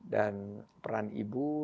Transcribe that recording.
dan peran ibu